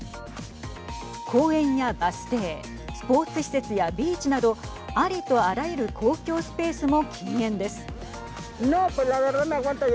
公園やバス停スポーツ施設やビーチなどありとあらゆる公共スペースも禁煙です。